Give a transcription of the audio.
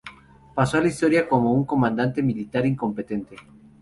Pasó a la historia como un comandante militar incompetente.